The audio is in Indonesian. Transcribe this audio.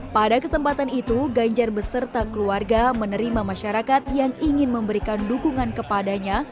pada kesempatan itu ganjar beserta keluarga menerima masyarakat yang ingin memberikan dukungan kepadanya